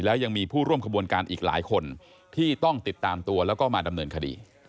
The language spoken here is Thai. แล้วยังมีผู้ร่วมขบวนการอีกหลายคนที่ต้องติดตามตัวแล้วก็มาดำเนินคดี